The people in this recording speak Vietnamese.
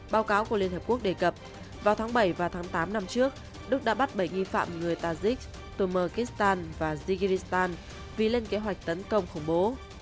báo cáo của liên hợp quốc đề cập vào tháng bảy và tháng tám năm trước đức đã bắt bảy nghi phạm người tajik tomokistan và zigiristan vì lên kế hoạch tấn công khủng bố